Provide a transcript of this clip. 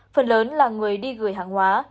phần lớn là người đi gửi hàng hóa